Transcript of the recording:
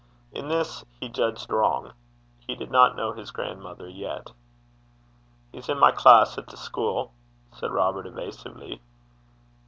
In this he judged wrong. He did not know his grandmother yet. 'He's in my class at the schuil,' said Robert, evasively.